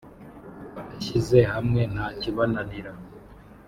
“Abishyize hamwe nta kibananira”.